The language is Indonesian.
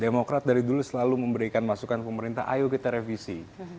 demokrat dari dulu selalu memberikan masukan pemerintah ayo kita revisi